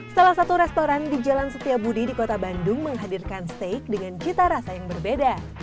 salah satu restoran di jalan setiabudi di kota bandung menghadirkan steak dengan cita rasa yang berbeda